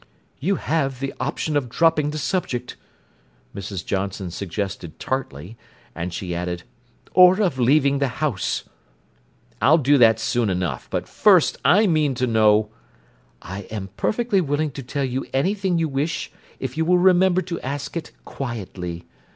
"You have the option of dropping the subject," Mrs. Johnson suggested tartly, and she added: "Or of leaving the house." "I'll do that soon enough, but first I mean to know—" "I am perfectly willing to tell you anything you wish if you will remember to ask it quietly.